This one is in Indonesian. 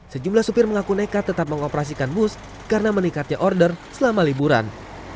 sejumlah supir mengaku nekat tetap mengoperasikan bus karena meningkatnya order selama liburan